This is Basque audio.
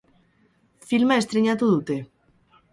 Filma estreinatu dute.